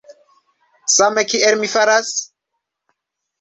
Same kiel mi faras?